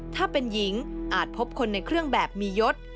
ถ้าเป็นหญิงอาจพบคนในเครื่องแบบมียศ